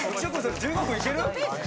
１５分行ける。